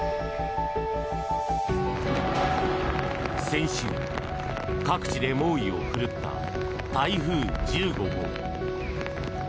先週、各地で猛威を振るった台風１５号。